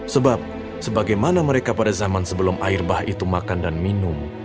sebab sebagaimana mereka pada zaman sebelum air bah itu makan dan minum